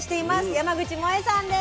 山口もえさんです。